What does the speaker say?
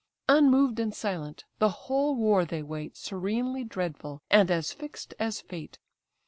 Unmoved and silent, the whole war they wait Serenely dreadful, and as fix'd as fate.